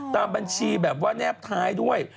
ตามบัญชีแบบว่าแนบท้ายด้วย